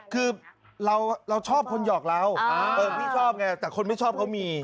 คือเราชอบคนหยอกเราพี่ชอบไงแต่คนไม่ชอบเขามี